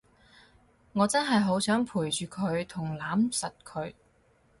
我真係好想陪住佢同攬實佢